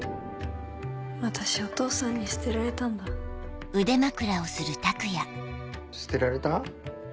私お父さんに捨てられたんだ捨てられた？